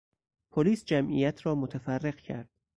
پلیس جمعیت را متفرق کرد.